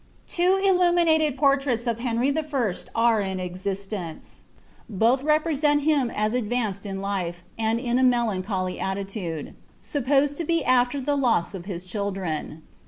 Two illuminated portraits of Henry 1. are jn existence: both repnant him as advanced iu life, and in a melancholy attitude ; suppoaed to Im after the loss of his children.